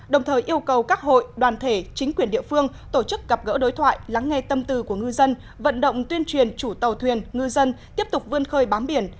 đồng thời yêu cầu các hội đoàn thể chính quyền địa phương tổ chức gặp gỡ đối thoại lắng nghe tâm tư của ngư dân vận động tuyên truyền chủ tàu thuyền ngư dân tiếp tục vươn khơi bám biển